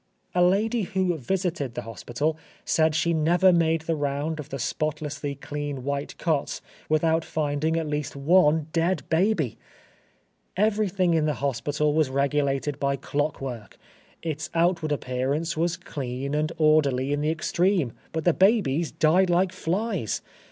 A lady who visited the hospital said she never made the round of the spotlessly clean white cots, without finding at least one dead baby! Everything in the hospital was regulated by clockwork; its outward appearance was clean and orderly in the extreme, but the babies died like flies!